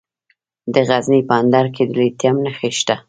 د غزني په اندړ کې د لیتیم نښې شته.